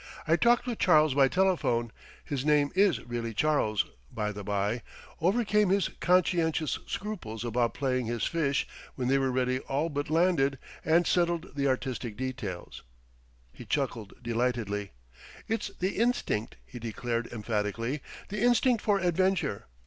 I talked with Charles by telephone, his name is really Charles, by, the bye, overcame his conscientious scruples about playing his fish when they were already all but landed, and settled the artistic details." He chuckled delightedly. "It's the instinct," he declared emphatically, "the instinct for adventure.